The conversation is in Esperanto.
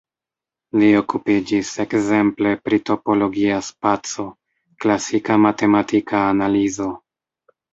Li okupiĝis ekzemple pri topologia spaco, klasika matematika analizo.